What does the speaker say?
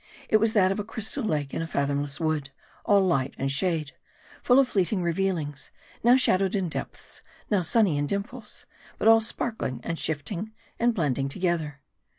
It was that of a crystal lake in a fathomless wood : all light and shade ; full of fleeting revealings ; now shadowed in depths ; now sunny in dimples ; but all sparkling and shifting, and blending to gether.